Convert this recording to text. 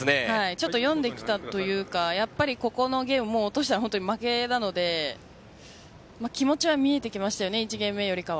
ちょっと読んできたというかここのゲームを落としたら負けなので気持ちは見えてきましたよね